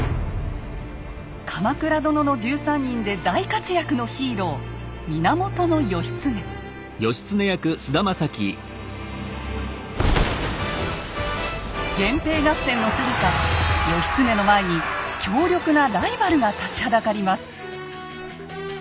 「鎌倉殿の１３人」で大活躍のヒーロー源平合戦のさなか義経の前に強力なライバルが立ちはだかります。